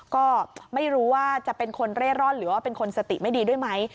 ก็ไม่รู้ว่าจะเป็นคนเร่ร่อนหรือว่าเป็นคนสติไม่ดีด้วยไหม